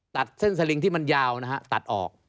ตัดเส้นสลิงที่มันยาวนะฮะตัดออก